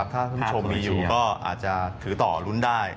ถ้าคุณผู้ชมมีอยู่ก็อาจจะถือต่อลุ้นได้